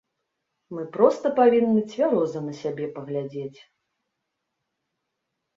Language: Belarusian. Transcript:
Мы проста павінны цвяроза на сябе паглядзець.